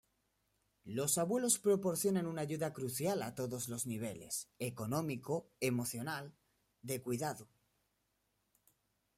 Los abuelos proporcionan una ayuda crucial a todos los niveles: económico, emocional…de cuidado.